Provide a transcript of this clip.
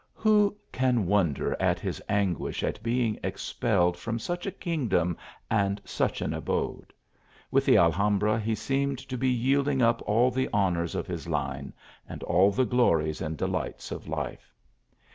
Who can wonder at his an guish at being expelled from such a kingdom and such an abode ? With the Alhambra he seemed to be yielding up all the honours of his line, and all the glories and delights of life.